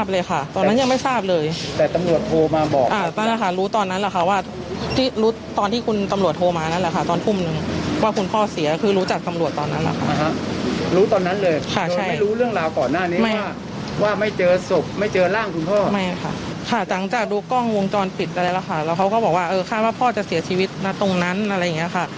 เพื่อเสียชีวิตมาตรงนั้นอะไรอย่างนี้ค่ะ